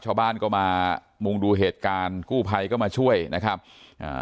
ชาวบ้านก็มามุงดูเหตุการณ์กู้ภัยก็มาช่วยนะครับอ่า